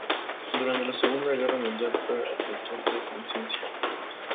Durante la Segunda Guerra Mundial fue objetor de conciencia.